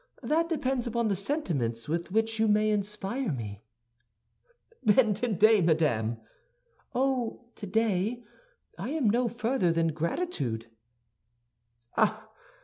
That depends upon the sentiments with which you may inspire me." "Then today, madame—" "Oh, today, I am no further than gratitude." "Ah!